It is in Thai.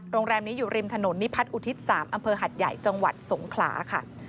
โรงแรมนี้อยู่ริมถนนนิพัฒนอุทิศ๓อำเภอหัดใหญ่จังหวัดสงขลาค่ะ